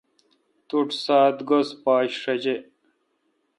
تو ٹھ سات گز پاچ شجہ۔